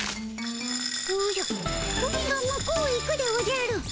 おじゃプリンが向こうへ行くでおじゃる。